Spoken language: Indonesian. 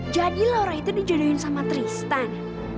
jadi laura itu dijodohin sama tristan